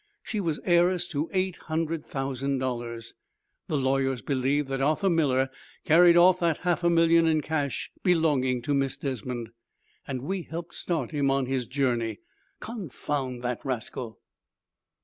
She was heiress to eight hundred thousand dollars. The lawyers believe that Arthur Miller carried off than half a million in cash belonging to Miss Desmond. And we helped start him on his journey. Confound the rascal!"